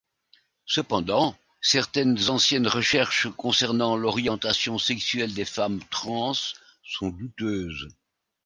Cependant, certaines anciennes recherches concernant l'orientation sexuelle des femmes trans sont douteuses.